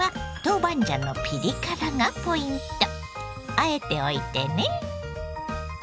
あえておいてね。